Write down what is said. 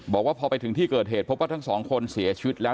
บอกว่าพอไปถึงที่เกิดเหตุพบว่าทั้งสองคนเสียชีวิตแล้ว